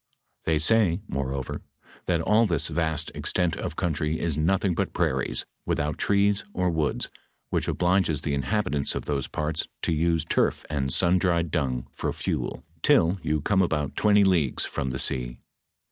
They say, moreover, that all this vast extent of country is nothing but prairies, without trees or woods, which obliges the inhabitants of those parts to use turf and sun dried dung for fuel, till you come about twenty leagues from the sea.